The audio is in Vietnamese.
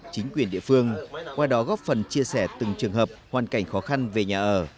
chính quyền địa phương qua đó góp phần chia sẻ từng trường hợp hoàn cảnh khó khăn về nhà ở